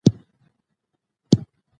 که کاغذ وي نو لیک نه ضایع کیږي.